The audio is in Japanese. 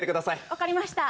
わかりました。